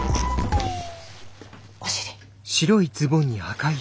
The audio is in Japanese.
お尻。